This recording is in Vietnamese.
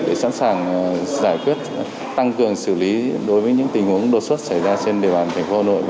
để sẵn sàng giải quyết tăng cường xử lý đối với những tình huống đột xuất xảy ra trên địa bàn thành phố hà nội